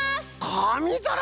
かみざらな！